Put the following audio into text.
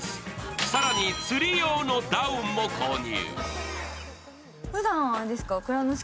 更に釣り用のダウンも購入。